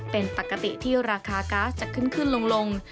เป็นปกติที่ราคากัสจะขึ้นลง